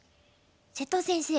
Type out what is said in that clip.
瀬戸先生